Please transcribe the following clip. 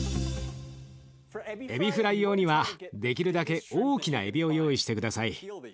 えびフライ用にはできるだけ大きなえびを用意して下さい。